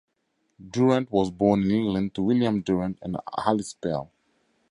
Durant was born in England to William Durant and Alice Pell.